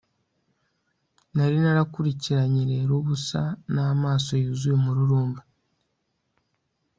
nari narakurikiranye rero ubusa n'amaso yuzuye umururumba